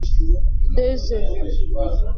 deux oeufs